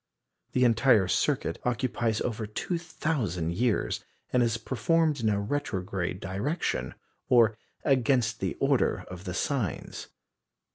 The entire circuit occupies over 2,000 years, and is performed in a retrograde direction, or against the order of the Signs.